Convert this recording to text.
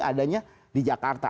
adanya di jakarta